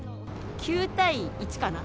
９対１かな？